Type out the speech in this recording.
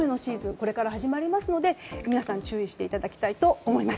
これから始まりますので皆さん注意していただきたいと思います。